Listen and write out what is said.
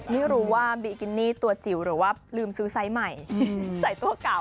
ไม่รู้ว่าบีกินี่ตัวจิ๋วหรือว่าลืมซื้อไซส์ใหม่ใส่ตัวเก่า